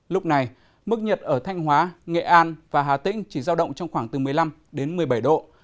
lúc này mức nhiệt ở thanh hóa nghệ an và hà tĩnh chỉ giao động trong khoảng từ một mươi năm đến một mươi bảy độ